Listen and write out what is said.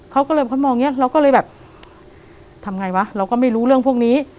เขาก็เลยเขามองอย่างนี้เราก็เลยแบบทำไงวะเราก็ไม่รู้เรื่องพวกนี้